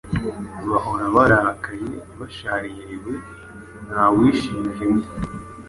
Bahora barakaye, bashaririwe, nta wishimiye undi.